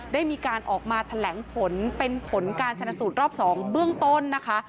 ได้มีการออกมาแถลงผลเป็นผลการชนสูตรรอบ๒เบื้องต้นนะคะ